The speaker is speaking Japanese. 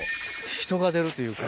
人が出るというか。